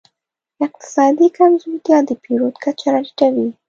اقتصادي کمزورتیا د پیرود کچه راټیټوي.